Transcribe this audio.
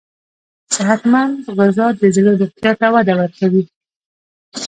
صحتمند غذا د زړه روغتیا ته وده ورکوي.